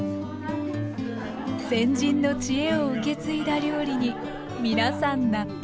先人の知恵を受け継いだ料理に皆さん納得。